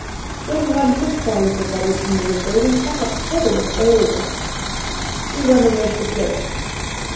When one lifts our little body from the window we cannot tell what ails us. We run away to play.